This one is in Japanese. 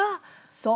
そう。